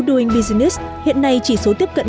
doing business hiện nay chỉ số tiếp cận